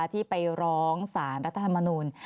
ที่ไปร้องสารรัฐธรรมนูล